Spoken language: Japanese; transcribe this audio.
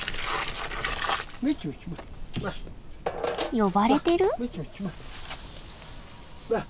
呼ばれてる？